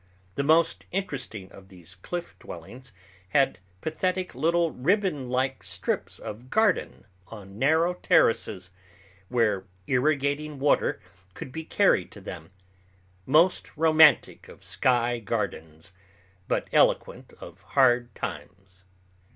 The most interesting of these cliff dwellings had pathetic little ribbon like strips of garden on narrow terraces, where irrigating water could be carried to them—most romantic of sky gardens, but eloquent of hard times.